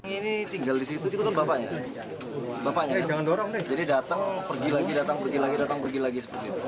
ini tinggal disitu itu kan bapaknya bapaknya jadi datang pergi lagi datang pergi lagi datang pergi lagi seperti itu